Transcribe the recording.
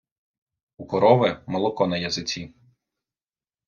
У корови молоко на язиці.